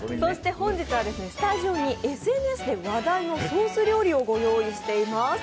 本日はスタジオにＳＮＳで話題のソース料理を御用意しています。